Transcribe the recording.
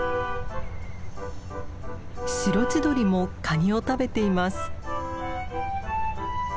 シロチドリもカニを食べています。